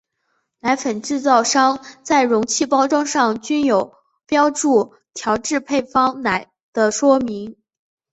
奶粉制造商在容器包装上均有标注调制配方奶的说明。